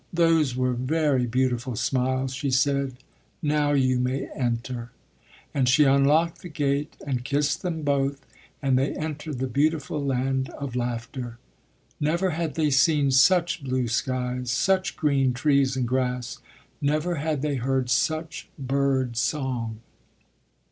"Those were very beautiful smiles," she said. "Now you may enter." And she unlocked the gate and kissed them both, and they entered the beautiful Land of Laughter. Never had they seen such blue skies, such green trees and grass; never had they heard such bird song.